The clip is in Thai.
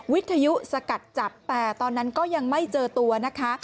วิทยุสกัดจับแต่ตอนนั้นก็ยังไม่เจอตัวนะคะ